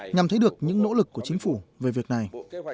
nhằm thấy được những nỗ lực của chính phủ về việc này